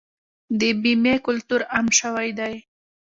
د بیمې کلتور عام شوی دی؟